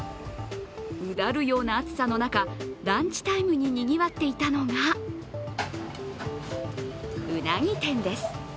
うだるような暑さの中、ランチタイムににぎわっていたのがうなぎ店です。